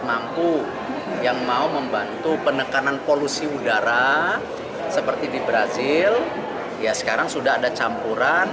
mampu yang mau membantu penekanan polusi udara seperti di brazil ya sekarang sudah ada campuran